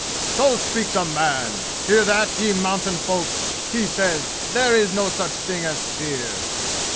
"So speaks a man! Hear that, ye mountain folk! He says, 'There is no such thing as fear!'"